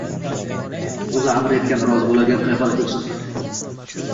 O'zi amr etgan, rozi bo'ladigan qiyofada ko'rsin.